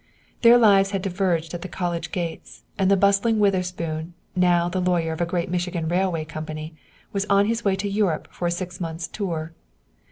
Their lives had diverged at the college gates, and the bustling Witherspoon, now the lawyer of a great Michigan railway company, was on his way to Europe for a six months' tour.